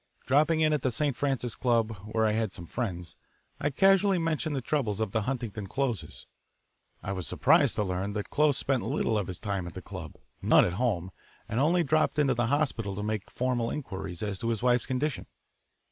Dropping in at the St. Francis Club, where I had some friends, I casually mentioned the troubles of the Huntington Closes. I was surprised to learn that Close spent little of his time at the Club, none at home, and only dropped into the hospital to make formal inquiries as to his wife's condition.